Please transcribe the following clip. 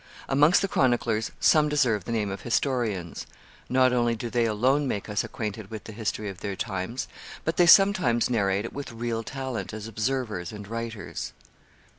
Amongst the chroniclers some deserve the name of historians; not only do they alone make us acquainted with the history of their times, but they sometimes narrate it with real talent as observers and writers.